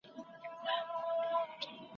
زه به سبا د سبا لپاره د نوټونو ليکل کوم وم.